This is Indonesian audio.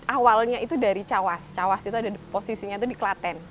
awalnya itu dari cawas cawas itu ada posisinya itu di klaten